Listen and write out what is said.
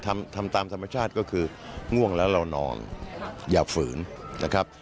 ทำทำตามธรรมชาติก็คือง่วงแล้วเรานองอย่าฝืนนะครับ